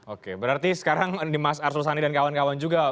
oke berarti sekarang di mas arsul sani dan kawan kawan juga